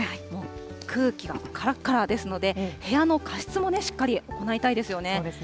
空気がからからですので、部屋の加湿もしっかり行いたいですよね。